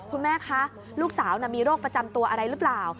คุณแม่คะลูกสาวมีโรคประจำตัวอะไรหรือเปล่า